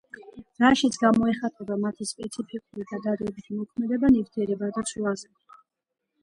რაშიც გამოიხატება მათი სპეციფიკური და დადებითი მოქმედება ნივთიერებათა ცვლაზე.